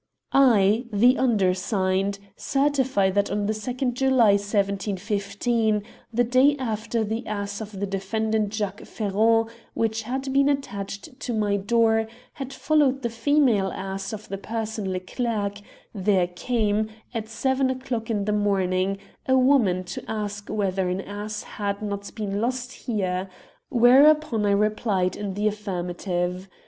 I, the undersigned, certify that on the 2nd July 1750 the day after the ass of the defendant Jacques Ferron, which had been attached to my door, had followed the female ass of the person Leclerc, there came, at seven o'clock in the morning, a woman to ask whether an ass had not been lost here ; where upon I replied in the affirmative.